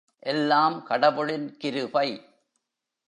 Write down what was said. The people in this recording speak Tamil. எல்லாம் கடவுளின் கிருபை.